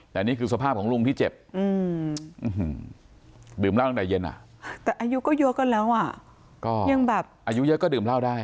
แต่อันนี้คือสภาพของลุงที่เจ็บอืม